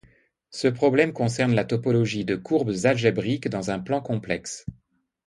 Ce problème concerne la topologie de courbes algébriques dans un plan complexe.